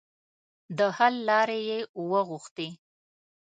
د حل لارې یې وغوښتې.